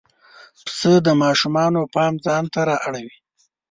پسه د ماشومانو پام ځان ته را اړوي.